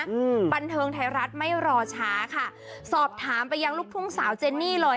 อืมบันเทิงไทยรัฐไม่รอช้าค่ะสอบถามไปยังลูกทุ่งสาวเจนนี่เลย